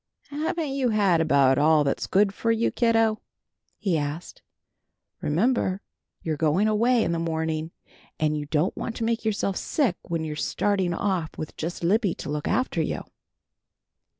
"Haven't you had about all that's good for you, kiddo?" he asked. "Remember you're going away in the morning, and you don't want to make yourself sick when you're starting off with just Libby to look after you."